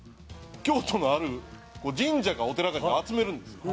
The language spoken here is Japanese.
京都のある神社かお寺かに集めるんですよ。